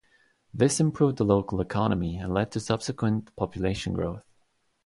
This improved the local economy and led to subsequent population growth.